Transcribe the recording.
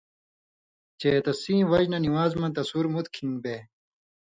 چے تسی وجہۡ نہ نِوان٘ز نہ تسُور مُت کھِن٘گ بے،